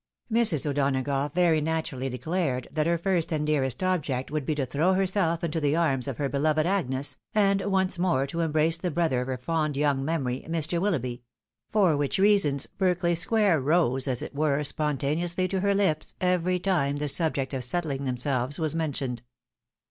Mrs. O'Donagough very naturally declared, that her first and dearest object would be to throw herself into the arms of her beloved Agnes, and once more to embrace the brother of her fond young memory, Mr. Willoughby ; for which reasons, Berkeley square rose, as it were, spontaneously to her lips, every time the subject of settHng themselves was mentioned.